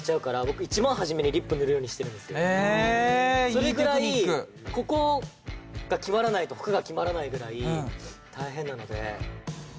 それぐらいここが決まらないと他が決まらないぐらい大変なので。